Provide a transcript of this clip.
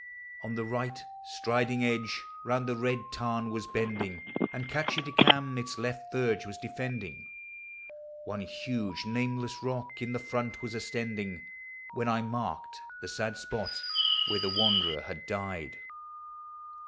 On the right, Striden Edge round the Red Tarn was bending, And Catchedicam its left verge was defending, One huge nameless rock in the front was aSCend When 1 marked the sad spot where the wan derer had died.